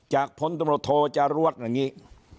จากพนบทโทรจารุวัตรอย่างนี้